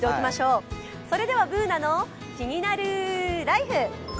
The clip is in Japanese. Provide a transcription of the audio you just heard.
それでは「ＢｏｏｎａのキニナルＬＩＦＥ」